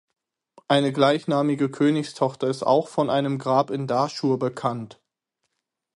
Eine gleichnamige Königstochter ist auch von einem Grab in Dahschur bekannt.